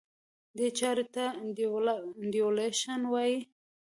دې چارې ته Devaluation وایي.